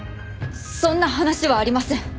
そんな話はありません。